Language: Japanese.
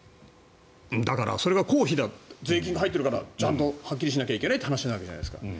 だからそれが公費で税金が入っているからちゃんとはっきりしなきゃいけないって話になるわけじゃないですか。